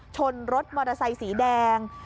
ชนรถมอเตอร์ไซค์สีแดง